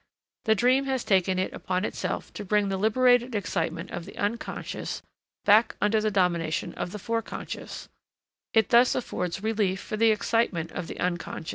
The dream has taken it upon itself to bring the liberated excitement of the Unc. back under the domination of the foreconscious; it thus affords relief for the excitement of the Unc.